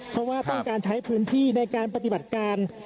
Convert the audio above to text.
เพราะว่าต้องการใช้พื้นที่ในการปฏิบัติการ